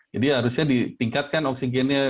jadi harusnya ditingkatkan oksigennya